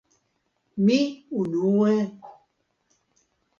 Mi unue...